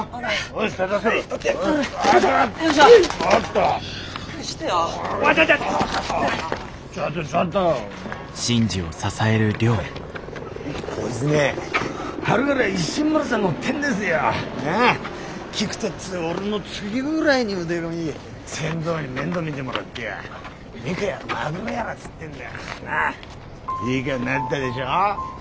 いい顔なったでしょう？